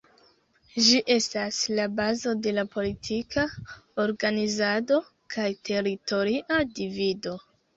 Ĝi estas la bazo de la politika organizado kaj teritoria divido.